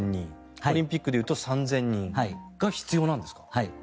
オリンピックでいうと３０００人が必要なんですか？